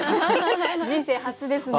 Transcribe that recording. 人生初ですね。